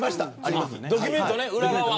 ドキュメントね、裏側。